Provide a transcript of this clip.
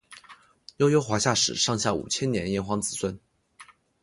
悠悠华夏史上下五千年炎黄子孙